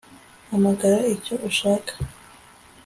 Hamagara icyo ushaka